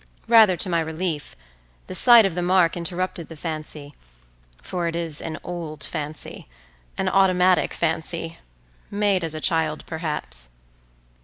Rather to my relief the sight of the mark interrupted the fancy, for it is an old fancy, an automatic fancy, made as a child perhaps.